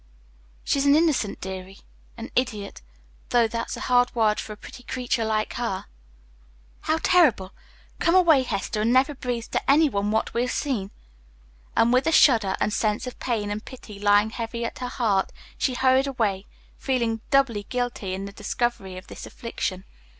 "She's an innocent, deary, an idiot, though that's a hard word for a pretty creature like her." "How terrible! Come away, Hester, and never breathe to anyone what we have seen." And with a shudder and sense of pain and pity lying heavy at her heart, she hurried away, feeling doubly guilty in the discovery of this affliction.